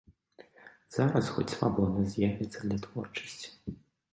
Зараз хоць свабода з'явіцца для творчасці.